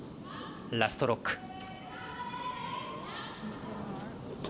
ラストロック。